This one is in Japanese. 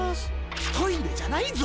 トイレじゃないぞ！